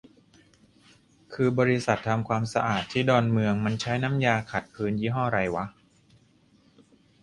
คือบริษัททำความสะอาดที่ดอนเมืองมันใช้น้ำยาขัดพื้นยี่ห้อไรวะ